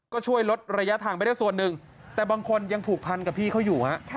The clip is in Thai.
ก็ช่วยลดระยะทางไปได้ส่วนหนึ่งแต่บางคนยังผูกพันกับพี่เขาอยู่ฮะ